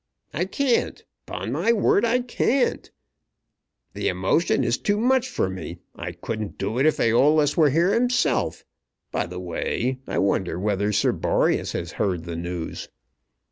"I can't; upon my word I can't. The emotion is too much for me. I couldn't do it if Æolus were here himself. By the way, I wonder whether Sir Boreas has heard the news."